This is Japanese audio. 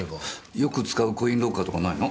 よく使うコインロッカーとかないの？